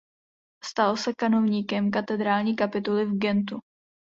Stal se kanovníkem katedrální kapituly v Gentu.